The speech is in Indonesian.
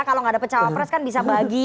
kalau gak ada pecawa wapres kan bisa bagi